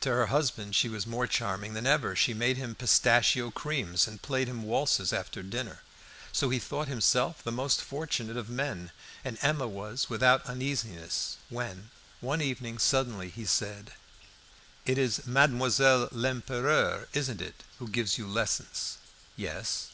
To her husband she was more charming than ever. She made him pistachio creams, and played him waltzes after dinner. So he thought himself the most fortunate of men and Emma was without uneasiness, when, one evening suddenly he said "It is Mademoiselle Lempereur, isn't it, who gives you lessons?" "Yes."